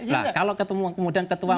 nah kalau kemudian ketua